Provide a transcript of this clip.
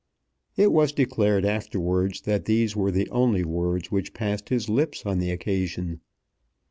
It was declared afterwards that these were the only words which passed his lips on the occasion.